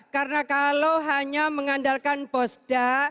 karena kalau hanya mengandalkan bosda